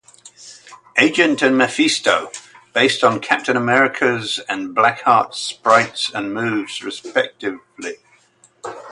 Agent and Mephisto, based on Captain America's and Blackheart's sprites and moves, respectively.